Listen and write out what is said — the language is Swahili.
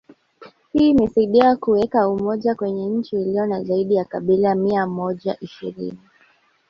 Hii imesaidia kuweka umoja kwenye nchi ilio na zaidi ya kabila mia moja ishirini